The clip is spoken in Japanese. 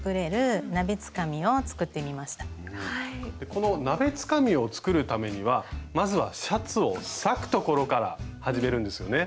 この鍋つかみを作るためにはまずはシャツを裂くところから始めるんですよね？